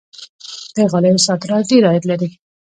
د غالیو صادرات ډیر عاید لري.